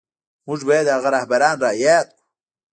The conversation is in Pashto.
موږ بايد هغه رهبران را ياد کړو.